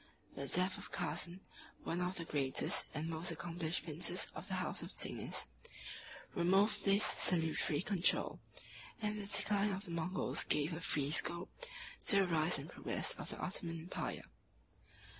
The death of Cazan, 38 one of the greatest and most accomplished princes of the house of Zingis, removed this salutary control; and the decline of the Moguls gave a free scope to the rise and progress of the Ottoman Empire.